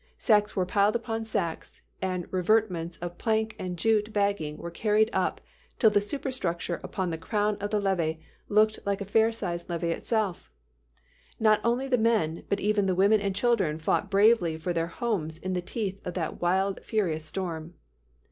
Sacks were piled upon sacks and revetments of plank and jute bagging were carried up till the superstructure upon the crown of the levee looked like a fair sized levee itself. Not only the men, but even the women and children fought bravely for their homes in the teeth of that wild furious storm.